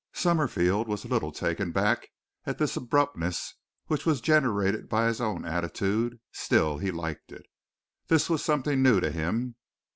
Summerfield was a little taken back at this abruptness which was generated by his own attitude; still he liked it. This was something new to him.